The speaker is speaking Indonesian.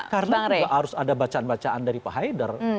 karena itu harus ada bacaan bacaan dari pak haidar